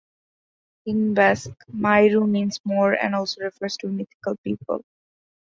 In Basque, "mairu" means moor and also refers to a mythical people.